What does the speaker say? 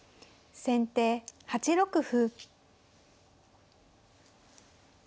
先手８六歩。